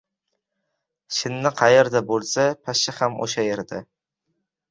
• Shinni qayerda bo‘lsa, pashsha ham o‘sha yerda.